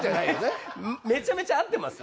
めちゃめちゃ会ってますよ。